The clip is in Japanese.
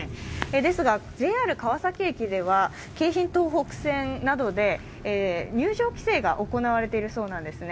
ですが、ＪＲ川崎駅では京浜東北線などで入場規制が行われているそうなんですね。